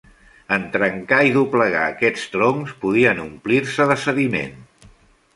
En trencar i doblegar aquests troncs, podien omplir-se de sediment.